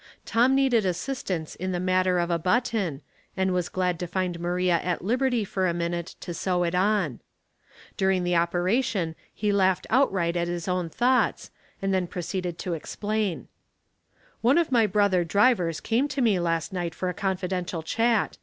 Tom needed assistance in the matter of a button, and was glad to find Maria at liberty for a minute to sew it on. During the operation he laughed outriglit A New Start. 363 at bis own thoughts, and then proceeded to ex plain. " One of my brother drivers came to me last night for a confidential chat.